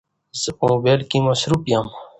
زه په موبایل کې مصروفه یم